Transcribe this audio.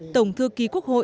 tổng thư ký quốc hội